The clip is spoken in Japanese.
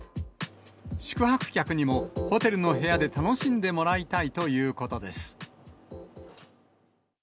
宿泊客にもホテルの部屋で楽しんでもらいたいということです。